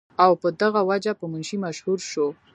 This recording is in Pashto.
او پۀ دغه وجه پۀ منشي مشهور شو ۔